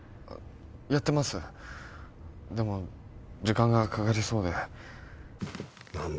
やってますでも時間がかかりそうでなんだ